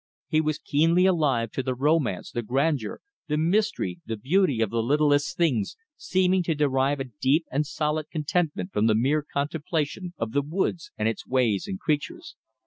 He was keenly alive to the romance, the grandeur, the mystery, the beauty of the littlest things, seeming to derive a deep and solid contentment from the mere contemplation of the woods and its ways and creatures.